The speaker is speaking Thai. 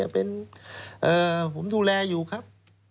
ผมดูแลอยู่ครับ